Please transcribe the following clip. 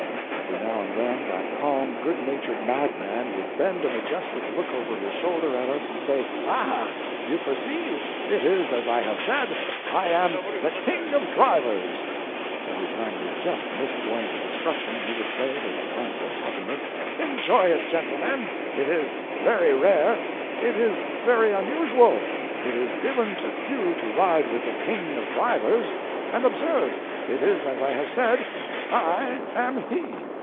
Every now and then that calm, good natured madman would bend a majestic look over his shoulder at us and say, "Ah, you perceive? It is as I have said I am the king of drivers." Every time we just missed going to destruction, he would say, with tranquil happiness, "Enjoy it, gentlemen, it is very rare, it is very unusual it is given to few to ride with the king of drivers and observe, it is as I have said, I am he."